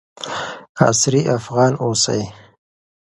عصري افغان اوسئ.